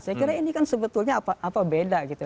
saya kira ini kan sebetulnya beda gitu